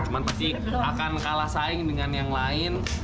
cuma pasti akan kalah saing dengan yang lain